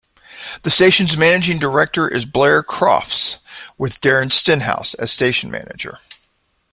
The station's managing director is Blair Crofts with Darren Stenhouse as station manager.